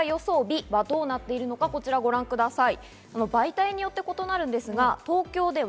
日はどうなっているのか、こちらをご覧ください。